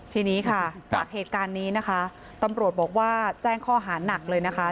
ทีนี้ค่ะจากเหตุการณ์นี้นะคะตำรวจบอกว่าแจ้งข้อหานักเลยนะคะ